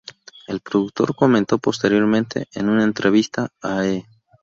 El productor comentó posteriormente en una entrevista a E!